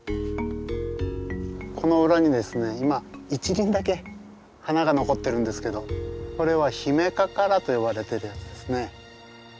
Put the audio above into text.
この裏にですね今１輪だけ花が残ってるんですけどこれはヒメカカラと呼ばれてるやつですね。